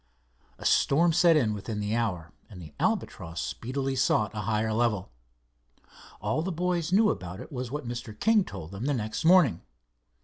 A storm set in within the hour and the Albatross speedily sought a higher level. All the boys knew about it was what Mr. King told them the next morning.